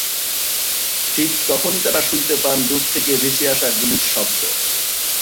ঠিক তখনই তারা শুনতে পান দূর থেকে ভেসে আসা গুলির শব্দ।